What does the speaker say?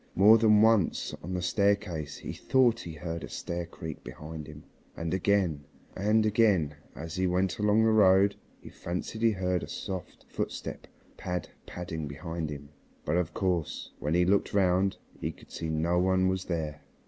More than once on the staircase he thought he heard a stair creak behind him, and again and again as he went along the road he fancied he heard a soft footstep pad padding behind him, but of course when he looked round he could see no one was there.